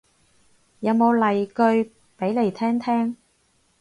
有冇例句俾嚟聽聽